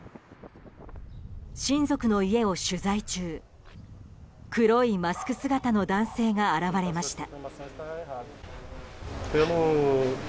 親族の家を取材中黒いマスク姿の男性が現れました。